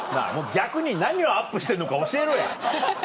逆に何をアップしてんのか教えろや。